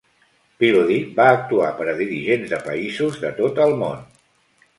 Peabody va actuar per a dirigents de països de tot el món.